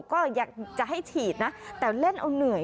ก็อยากจะให้ฉีดนะแต่เล่นเอาเหนื่อย